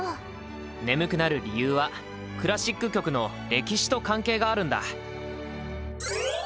眠くなる理由はクラシック曲の歴史と関係があるんだ。